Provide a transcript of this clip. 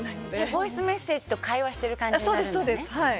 ボイスメッセージと会話してる感じになるのね。